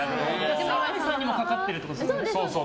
澤部さんにもかかってるってことですね。